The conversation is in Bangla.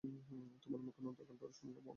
তোমার মুখে অনন্তকাল ধরে শুনলেও মন ভরত না।